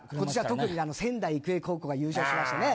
特に仙台育英高校が優勝しましたね。